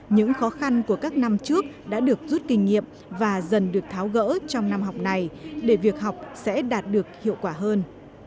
những khó khăn của các năm trước đã được rút kinh nghiệm và dần được tháo gỡ trong năm học này để việc học sẽ đạt được hiệu quả hơn